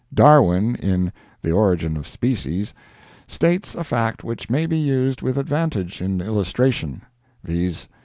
Darwin, in "The Origin of Species," states a fact which may be used with advantage in illustration, viz.